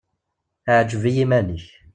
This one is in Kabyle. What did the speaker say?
Ɛǧeb i yiman-ik.